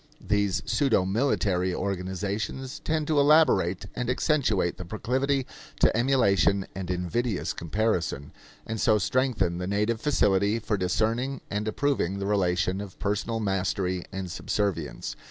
These pseudo military organizations tend to elaborate and accentuate the proclivity to emulation and invidious comparison, and so strengthen the native facility for discerning and approving the relation of personal mastery and subservience.